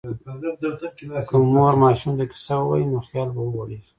که مور ماشوم ته کیسه ووایي، نو خیال به وغوړېږي.